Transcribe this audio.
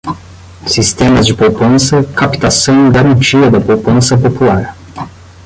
sistemas de poupança, captação e garantia da poupança popular;